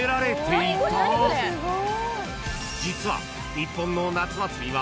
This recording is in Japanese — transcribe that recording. ［実は］